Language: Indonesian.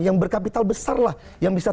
yang berkapital besar lah yang bisa